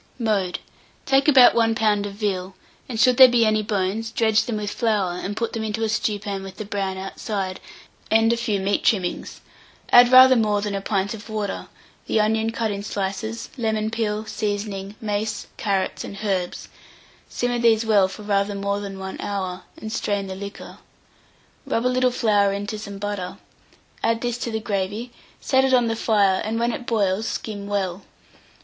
Mode. Take about 1 lb. of veal, and should there be any bones, dredge them with flour, and put them into a stewpan with the brown outside, and a few meat trimmings; add rather more than a pint of water, the onion cut in slices, lemon peel, seasoning, mace, carrots, and herbs; simmer these well for rather more than 1 hour, and strain the liquor. Rub a little flour into some butter; add this to the gravy, set it on the fire, and, when it boils, skim well.